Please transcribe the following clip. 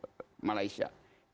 kalau menterinya dibantah oleh perancang